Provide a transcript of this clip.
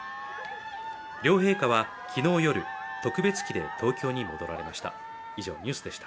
両陛下は昨日夜、特別機で東京に戻られました。